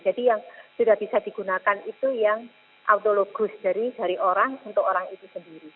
jadi yang sudah bisa digunakan itu yang autologus dari orang untuk orang itu sendiri